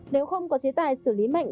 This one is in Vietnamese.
nếu không có chế tài xử lý mạnh